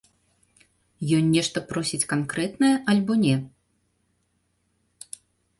Ён нешта просіць канкрэтнае, альбо не?